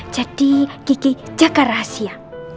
jadi kiki jaga rahasia